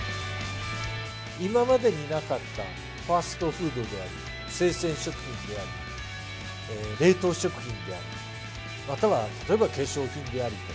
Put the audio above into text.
今までになかったファストフードであり、生鮮食品であり、冷凍食品であり、または例えば化粧品でありと。